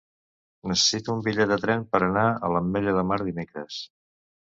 Necessito un bitllet de tren per anar a l'Ametlla de Mar dimecres.